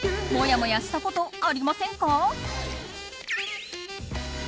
もやもやしたことありませんか？